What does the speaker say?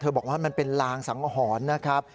บอกว่ามันเป็นลางสังหรณ์นะครับ